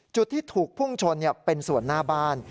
จุดที่ถูกพุ่งชนเป็นส่วนหน้าบ้าน